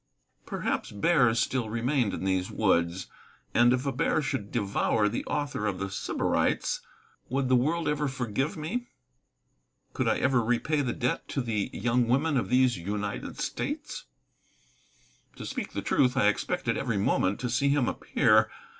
Perhaps bears still remained in these woods. And if a bear should devour the author of The Sybarites, would the world ever forgive me? Could I ever repay the debt to the young women of these United States? To speak truth, I expected every moment to see him appear.